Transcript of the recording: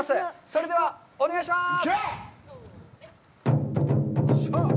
それではお願いします。